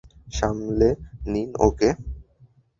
সামলে নিন ওকে।